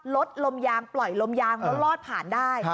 ลดลมยางปล่อยลมยางแล้วลอดผ่านได้